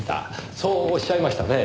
そうおっしゃいましたね？